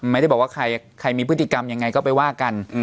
ไม่ได้บอกว่าใครมีพฤติกรรมยังไงก็ไปว่ากัน